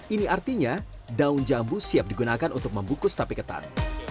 ini artinya daun jambu siap digunakan untuk membungkus tape ketan